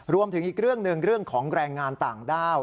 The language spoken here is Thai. รวมถึงอีกเรื่องหนึ่งเรื่องของแรงงานต่างด้าว